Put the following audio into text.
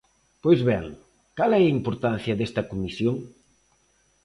Pois ben, ¿cal é a importancia desta comisión?